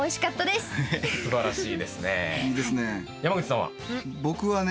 すばらしいですね。